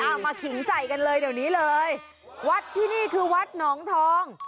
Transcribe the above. เอามาขิงใส่กันเลยเดี๋ยวนี้เลยวัดที่นี่คือวัดหนองทอง